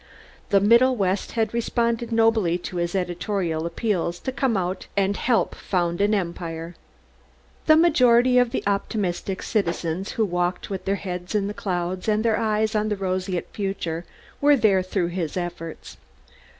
The Middle West had responded nobly to his editorial appeals to come out and help found an Empire. The majority of the optimistic citizens who walked with their heads in the clouds and their eyes on the roseate future were there through his efforts.